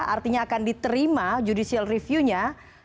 artinya akan diterima judicial review nya